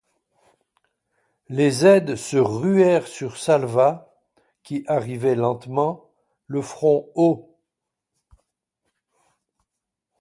Les aides se ruèrent sur Salvat, qui arrivait lentement, le front haut.